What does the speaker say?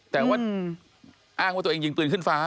แต่ว่าอ้างว่าตัวเองยิงปืนขึ้นฟ้า